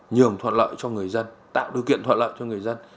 nhường thuận lợi cho người dân tạo điều kiện thuận lợi cho người dân